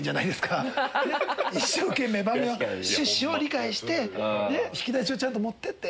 一生懸命番組の趣旨を理解してねっ引き出しをちゃんと持ってって。